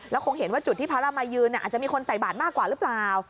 คงเห็นว่าจุดที่พระรามัยยืนอาจจะมีคนใส่บาทมากกว่าหรือเปล่า